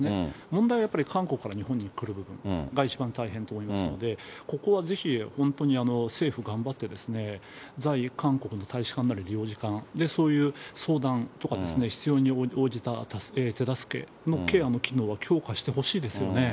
問題はやっぱり韓国から日本に来る部分が一番大変と思いますので、ここはぜひ、本当に政府頑張ってですね、在韓国の大使館なり領事館でそういう相談とか必要に応じた手助けのケアの機能は強化してほしいですよね。